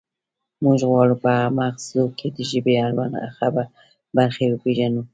موږ غواړو په مغزو کې د ژبې اړوند برخې وپیژنو